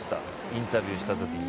インタビューしたときに。